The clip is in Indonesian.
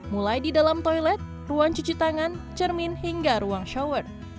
mulai di dalam toilet ruang cuci tangan cermin hingga ruang shower